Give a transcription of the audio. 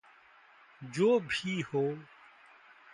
जो भी हो!